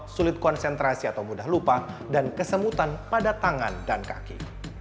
sulit konsentrasi atau mudah lupa dan kesemutan pada tangan dan kaki